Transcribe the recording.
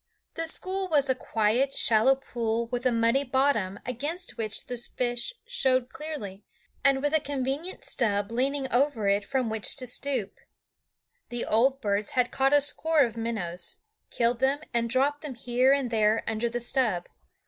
The school was a quiet, shallow pool with a muddy bottom against which the fish showed clearly, and with a convenient stub leaning over it from which to swoop. The old birds had caught a score of minnows, killed them, and dropped them here and there under the stub.